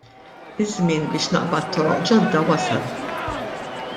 Iż-żmien biex naqbad toroq ġodda wasal.